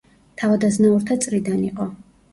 თავადაზნაურთა წრიდან იყო.